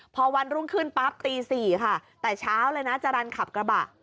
พอวันรุ่งขึ้นปั๊บตี๔ค่ะแต่เช้าเลยนะจรรย์ขับกระบะ